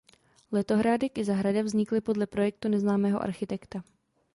Letohrádek i zahrada vznikli podle projektu neznámého architekta.